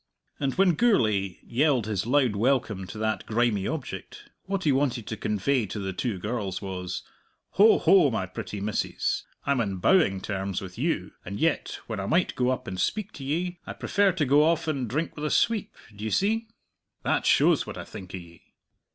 And when Gourlay yelled his loud welcome to that grimy object, what he wanted to convey to the two girls was: "Ho, ho, my pretty misses, I'm on bowing terms with you, and yet when I might go up and speak to ye, I prefer to go off and drink with a sweep, d'ye see? That shows what I think o' ye!"